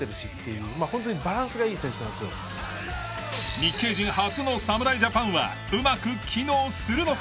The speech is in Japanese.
日系人初の侍ジャパンはうまく機能するのか？